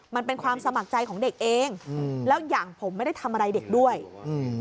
มันเป็นความสมัครใจของเด็กเองอืมแล้วอย่างผมไม่ได้ทำอะไรเด็กด้วยอืม